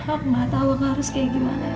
aku gak tahu harus kayak gimana ya